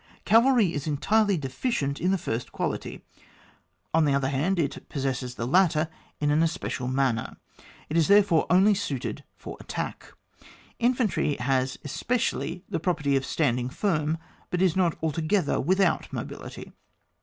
Cavalry is entirely defi cient in the first quality ; on the other hand, it possesses the latter in an especial manner. It is therefore only suited for attack. Infantry has especially the pro perty of standing firm, but is not alto gether without mobility.